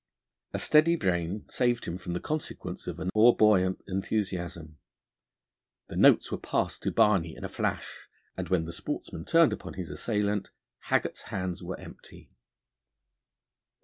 A steady brain saved him from the consequence of an o'erbuoyant enthusiasm. The notes were passed to Barney in a flash, and when the sportsman turned upon his assailant, Haggart's hands were empty.